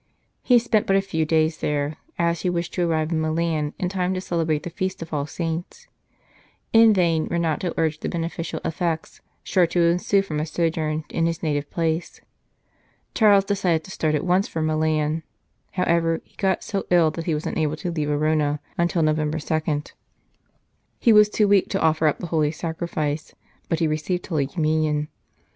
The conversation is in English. He spent but a few days there, as he wished to arrive in Milan in time to celebrate the Feast of All Saints. In vain Renato urged the beneficial effects sure to ensue from a sojourn in his native place. Charles decided to start at once for Milan ; however, he got so ill that he was unable to leave Arona until Novem ber 2. He was too weak to offer up the Holy Sacrifice, but he received Holy Communion.